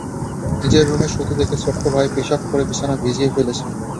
নিজের রুমে শুতে দেখে ছোট্ট ভাই পেশাব করে বিছানা ভিজিয়ে ফেলেছে।